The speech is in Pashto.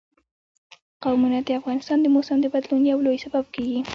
قومونه د افغانستان د موسم د بدلون یو لوی سبب کېږي.